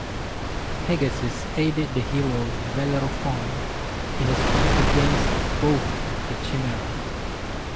Pegasus aided the hero Bellerophon in his fight against both the Chimera.